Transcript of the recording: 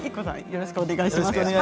よろしくお願いします。